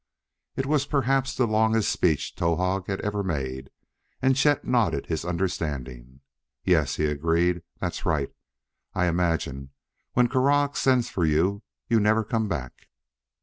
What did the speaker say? It was perhaps the longest speech Towahg had ever made, and Chet nodded his understanding. "Yes," he agreed; "that's right. I imagine. When Krargh sends for you, you never come back."